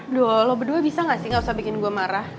aduh lo berdua bisa nggak sih gak usah bikin gue marah